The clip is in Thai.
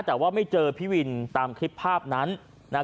แต่ว่าไม่เจอพี่วินตามคลิปภาพนั้นนะฮะ